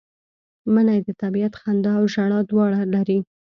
منی د طبیعت خندا او ژړا دواړه لري